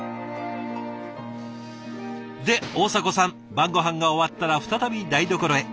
で大迫さん晩ごはんが終わったら再び台所へ。